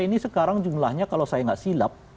ini sekarang jumlahnya kalau saya nggak silap